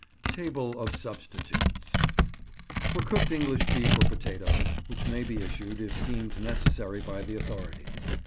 TABLE OF SUBSTITUTES For cooked English beef or potatoes, which may be issued, if deemed necessary, by the authorities.